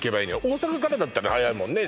大阪からだったら早いもんね